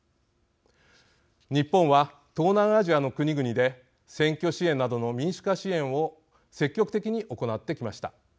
日本は東南アジアの国々で選挙支援などの民主化支援を積極的に行ってきました。